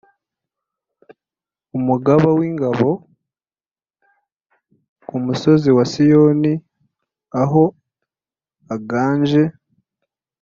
Umugaba w’ingabo ku musozi wa Siyoni aho aganje.